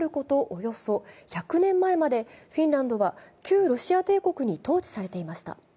およそ１００年前までフィンランドは旧ロシア帝国に統治されていました。